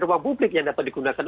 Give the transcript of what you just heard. ruang publik yang dapat digunakan